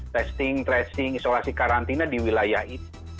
testing tracing isolasi karantina di wilayah itu